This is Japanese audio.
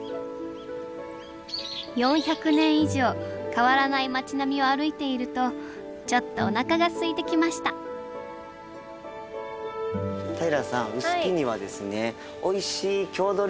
４００年以上変わらない町並みを歩いているとちょっとおなかがすいてきました平さんおっ。